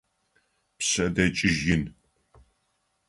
Пшъэдэкӏыжь ин.